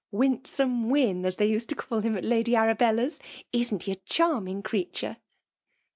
'Winsome Wyn/ as they used to call him at Lady Arabella's. Is'nt he a charming creature